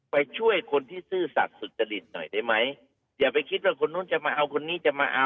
ไปช่วยคนที่ซื่อสัตว์สุจริงหน่อยได้ไหมอย่าไปคิดว่าคนนู้นจะมาเอา